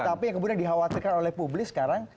tapi yang kemudian dikhawatirkan oleh publik sekarang